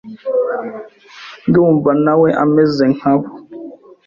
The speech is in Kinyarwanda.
Ndumva na we ameze nka bo.